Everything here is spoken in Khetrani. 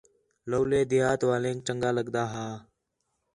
لَولے دیہاتیک والینک چَنڳا لڳدا ہا